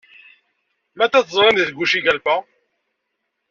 Matta teẓrim di Tegucigalpa?